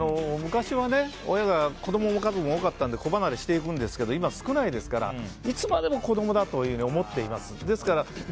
昔は親が子供も家族も多かったので子離れしていくんですが今、少ないですからいつまでも子供だと思っています。